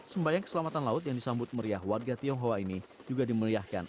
sembayang keselamatan laut yang disambut meriah warga tionghoa ini juga dimeriahkan